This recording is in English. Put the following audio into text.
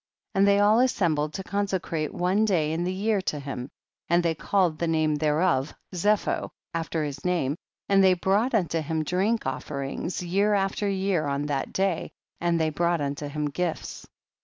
And they all assembled to consecrate one day in the year to him, and they called the name thereof Zepho after his name, and they brouQ ht unto him drink ofFerinss year after year on that day, and they brought unto him gifts.